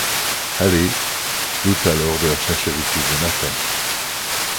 Haley doute alors de la sincérité de Nathan.